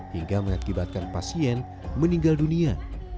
hingga mengakibatkan pasien meninggal dunia